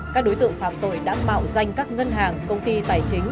các đối tượng phạm tội đã mạo danh các ngân hàng công ty tài chính